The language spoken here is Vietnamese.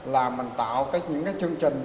là mình tạo những chương trình